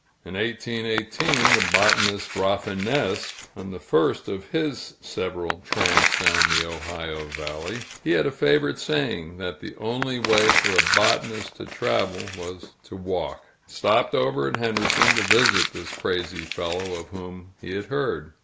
In 1818, the botanist Rafinesque, on the first of his several tramps down the Ohio valley, he had a favorite saying, that the only way for a botanist to travel, was to walk, stopped over at Henderson to visit this crazy fellow of whom he had heard.